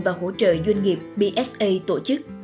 và hỗ trợ doanh nghiệp bsa tổ chức